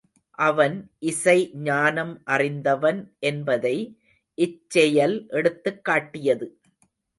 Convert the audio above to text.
அவன் இசை ஞானம் அறிந்தவன் என்பதை இச் செயல் எடுத்துக் காட்டியது.